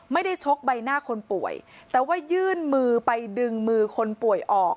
ชกใบหน้าคนป่วยแต่ว่ายื่นมือไปดึงมือคนป่วยออก